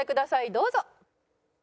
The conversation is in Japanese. どうぞ。